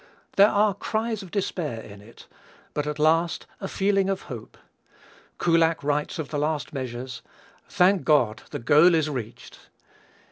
There are "cries of despair" in it, but at last a "feeling of hope." Kullak writes of the last measures: "Thank God the goal is reached!"